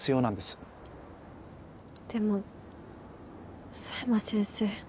でも佐山先生。